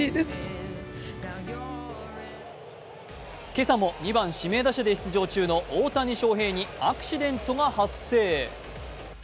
今朝も２番・指名打者で出場中の大谷翔平にアクシデントが発生。